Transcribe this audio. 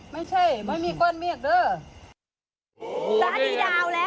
ไม่ใช่ไม่มีก้นเมียกเด้อ